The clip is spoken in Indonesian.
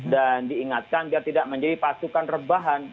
dan diingatkan biar tidak menjadi pasukan rebahan